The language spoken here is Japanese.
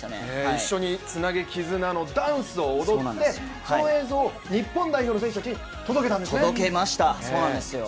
一緒に「ツナゲキズナ」のダンスを踊って、その映像を日本代表の選手に届けたんですよね。